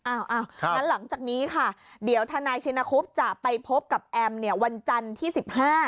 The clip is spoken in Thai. อ้าวหลังจากนี้ค่ะเดี๋ยวทนายชินคุพธรรมจะไปพบกับแอมวันจันทร์ที่๑๕